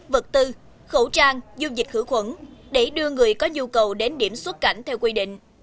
vật tư khẩu trang dung dịch khử khuẩn để đưa người có nhu cầu đến điểm xuất cảnh theo quy định